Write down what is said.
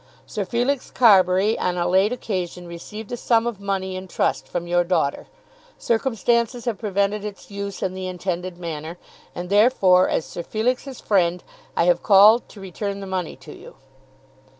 Sir Felix Carbury on a late occasion received a sum of money in trust from your daughter. Circumstances have prevented its use in the intended manner, and, therefore, as Sir Felix's friend, I have called to return the money to you."